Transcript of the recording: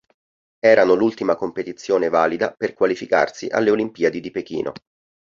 Erano l'ultima competizione valida per qualificarsi alle Olimpiadi di Pechino.